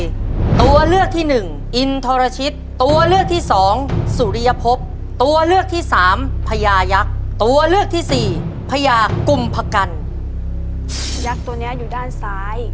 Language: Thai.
ยักษ์ตนเนี้ยอยู่ด้านซ้าย